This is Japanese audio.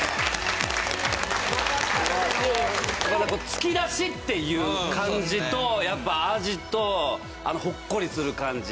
突き出しっていう感じとやっぱ味とあのほっこりする感じ。